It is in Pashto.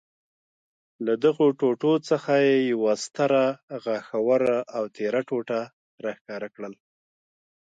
له دغو ټوټو څخه یې یوه ستره، غاښوره او تېره ټوټه را ښکاره کړل.